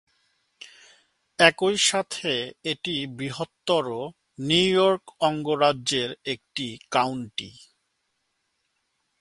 একই সাথে এটি বৃহত্তর নিউ ইয়র্ক অঙ্গরাজ্যের একটি কাউন্টি।